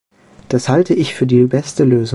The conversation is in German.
Das halte ich für die beste Lösung.